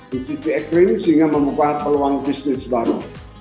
di sisi ekstrim sehingga membuka peluang bisnis baru